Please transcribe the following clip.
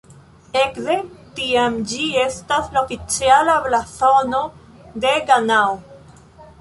Ekde tiam ĝi estas la oficiala blazono de Ganao.